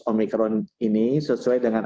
omikron ini sesuai dengan